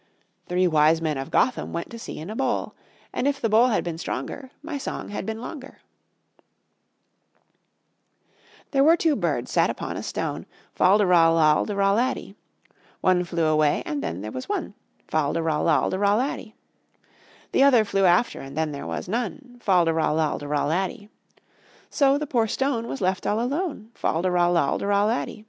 Three wise men of Gotham Went to sea in a bowl, And if the bowl had been stronger My song had been longer. There were two birds sat upon a stone, Fal de ral al de ral laddy. One flew away and then there was one, Fal de ral al de ral laddy. The other flew after and then there was none, Fal de ral al de ral laddy. So the poor stone was left all alone, Fal de ral al de ral laddy.